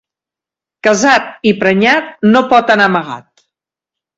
Casat i prenyat no pot anar amagat.